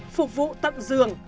phục vụ tận dường